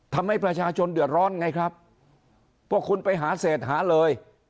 ทำให้ประชาชนเดือดร้อนไงครับพวกคุณไปหาเศษหาเลย